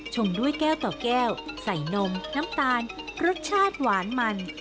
งด้วยแก้วต่อแก้วใส่นมน้ำตาลรสชาติหวานมัน